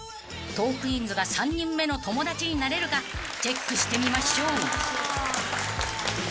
［トークィーンズが３人目の友達になれるかチェックしてみましょう］